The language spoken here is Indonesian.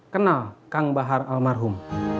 kenal kang bahar almarhum